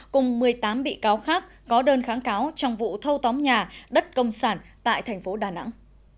cùng một mươi tám bị cáo khác có đơn kháng cáo trong vụ thâu tóm nhà đất công sản tại thành phố đà nẵng